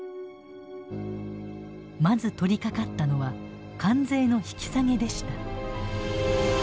まず取りかかったのは関税の引き下げでした。